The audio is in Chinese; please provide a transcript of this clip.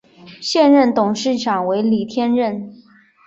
现任董事长为李天任。